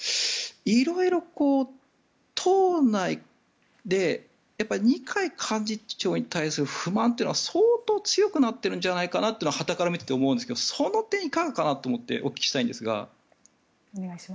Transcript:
色々、党内で二階幹事長に対する不満というのが相当強くなっているんじゃないかなというのははたから見てて思うんですがその点、いかがかなと思ってお聞きしたいんですが。